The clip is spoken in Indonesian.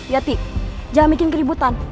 yati jangan bikin keributan